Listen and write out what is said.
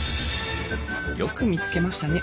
「よく見つけましたね！